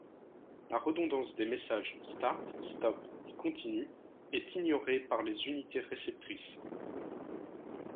La redondance des messages start, stop et continue est ignorée par les unités réceptrices.